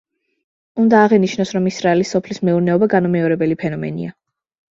უნდა აღინიშნოს, რომ ისრაელის სოფლის მეურნეობა განუმეორებელი ფენომენია.